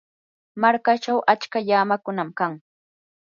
markachaw achka llamakunam kan.